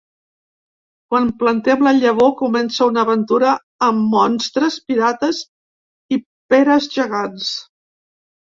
Quan planten la llavor, comença una aventura amb monstres, pirates i peres gegants.